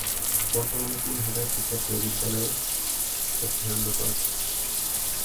বর্তমানে তিন হাজার শিক্ষার্থী এ বিদ্যালয়ে অধ্যয়নরত আছে।